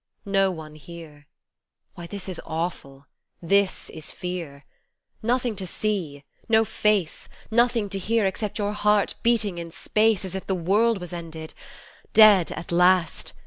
No one here, Why, this is awful, this is fear ! Nothing to see, no face, Nothing to hear except your heart beating in space As if the world was ended. Dead at last